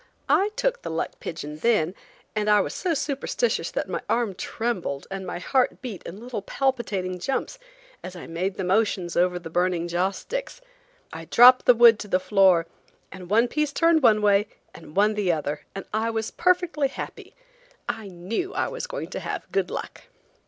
I took the luck pigeon then, and I was so superstitious that my arm trembled and my heart beat in little palpitating jumps as I made the motions over the burning joss sticks. I dropped the wood to the floor, and one piece turned one way and one the other, and I was perfectly happy. I knew I was going to have good luck.